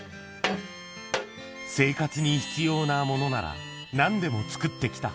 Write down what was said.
生活に必要なものならなんでも作ってきた。